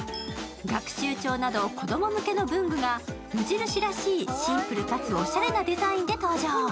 学習帳など子供向けの文具が無印らしいシンプルかつオシャレなデザインで登場。